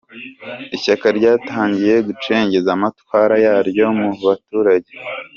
Ishyaka ryatangiye gucengeza amatwara yaryo mu baturage